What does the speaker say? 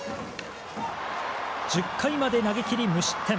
１０回まで投げ切り無失点。